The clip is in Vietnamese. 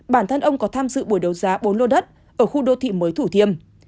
bản thân ông có tham dự buổi đấu giá bốn lô đất ở khu đô thị mới thủ thiêm